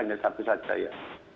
hanya satu saja ya